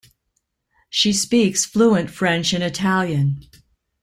She speaks fluent French and Italian.